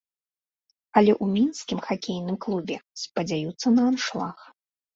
Але ў мінскім хакейным клубе спадзяюцца на аншлаг.